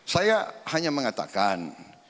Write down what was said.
saya hanya mengatakan